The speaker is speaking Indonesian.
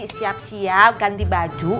siap siap ganti baju